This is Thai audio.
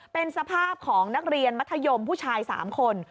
เป็นสภาพของนักเรียนมัธยมผู้ชาย๓คน